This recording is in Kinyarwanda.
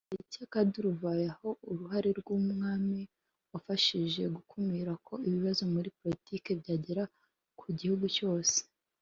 Byari igihe cy’akaduruvayo aho uruhare rw’umwami rwafashije gukumira ko ibibazo muri politiki byagera ku gihugu cyose